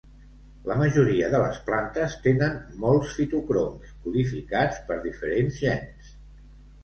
La majoria de les plantes tenen molts fitocroms codificats per diferents gens.